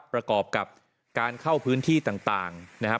ประกอบกับการเข้าพื้นที่ต่างนะครับ